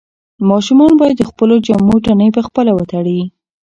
ماشومان باید د خپلو جامو تڼۍ پخپله وتړي.